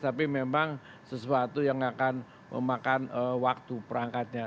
tapi memang sesuatu yang akan memakan waktu perangkatnya